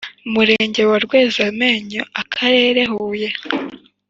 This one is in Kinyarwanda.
Murenge wa Rwezamenyo Akarere huye